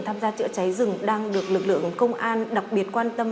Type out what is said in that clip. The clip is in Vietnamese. tham gia chữa cháy rừng đang được lực lượng công an đặc biệt quan tâm